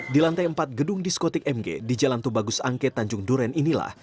di lantai empat gedung diskotik mg di jalan tubagus angke tanjung duren inilah